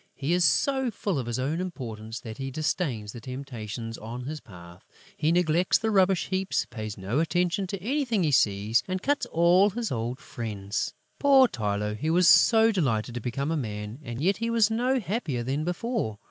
He is so full of his own importance that he disdains the temptations on his path: he neglects the rubbish heaps, pays no attention to anything he sees and cuts all his old friends. Poor Tylô! He was so delighted to become a man; and yet he was no happier than before!